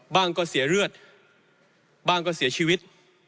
ก็เสียเลือดบ้างก็เสียชีวิต